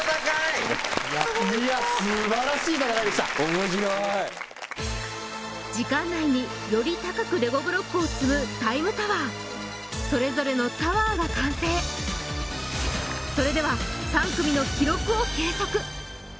面白い時間内により高くレゴブロックを積むタイムタワーそれぞれのタワーが完成それでは３組の記録を計測